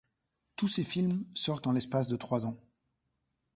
Tous ces films sortent en l'espace de trois ans.